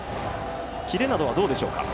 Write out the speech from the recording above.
キレなどはどうでしょうか？